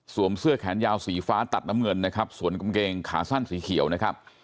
เสื้อแขนยาวสีฟ้าตัดน้ำเงินนะครับสวนกางเกงขาสั้นสีเขียวนะครับ